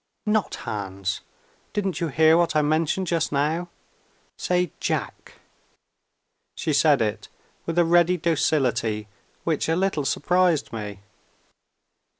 "Not Hans! Didn't you hear what I mentioned just now? Say Jack." She said it, with a ready docility which a little surprised me.